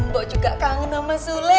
mbok juga kangen sama sule